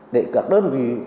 để các đơn vị